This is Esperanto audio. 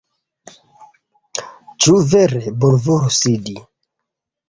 Ĉu vere? Bonvolu sidi